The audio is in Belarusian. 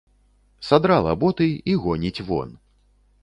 Садрала боты і гоніць вон.